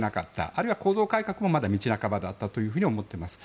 あるいは、構造改革もまだ道半ばだったと思っています。